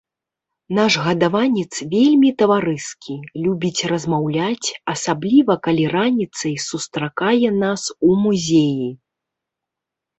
Наш гадаванец вельмі таварыскі, любіць размаўляць, асабліва калі раніцай сустракае нас у музеі.